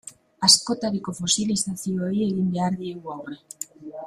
Askotariko fosilizazioei egin behar diegu aurre.